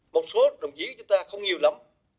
một số đồng chí chúng ta không nhiều lắm